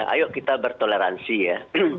ayo kita bertoleransi ya